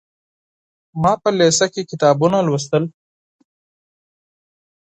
ما په لېسه کي کتابونه لوستل.